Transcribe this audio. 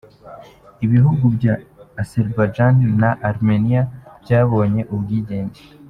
Ibihugu bya Azerbaijan na Armenia byabonye ubwigenge.